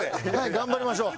頑張りましょう。